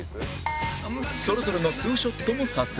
それぞれの２ショットも撮影